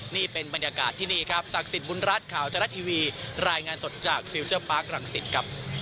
นี่เป็นบรรยากาศที่นี่ครับศักดิ์สิทธิบุญรัฐข่าวทรัฐทีวีรายงานสดจากฟิลเจอร์ปาร์ครังสิตครับ